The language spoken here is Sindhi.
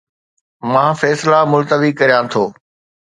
مان فيصلا ملتوي ڪريان ٿو